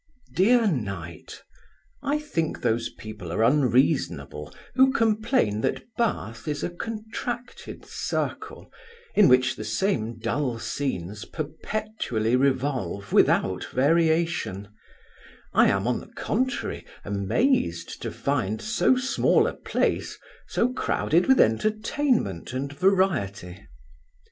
DEAR KNIGHT, I think those people are unreasonable, who complain that Bath is a contracted circle, in which the same dull scenes perpetually revolve, without variation I am, on the contrary, amazed to find so small a place so crowded with entertainment and variety.